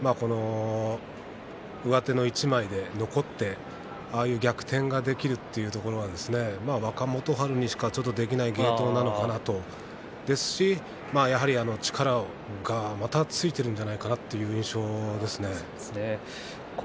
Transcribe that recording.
上手一枚で残ってああいう逆転ができるという若元春にしかできない芸当なのかなと思いますし力がまたついているんじゃないかという印象ですね。